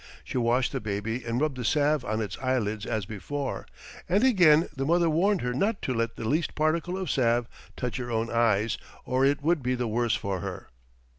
She washed the baby and rubbed the salve on its eyelids as before, and again the mother warned her not to let the least particle of salve touch her own eyes, or it would be the worse for her.